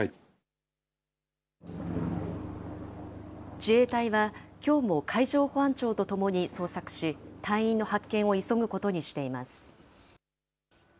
自衛隊は、きょうも海上保安庁とともに捜索し、隊員の発見を急ぐことにしています。